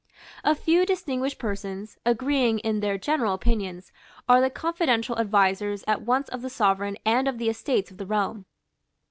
A few distinguished persons, agreeing in their general opinions, are the confidential advisers at once of the Sovereign and of the Estates of the Realm.